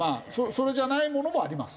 それじゃないものもあります。